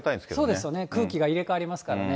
そうですよね、空気が入れ替わりますからね。